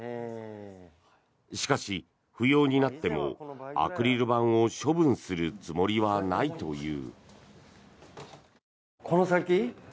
しかし、不要になってもアクリル板を処分するつもりはないという。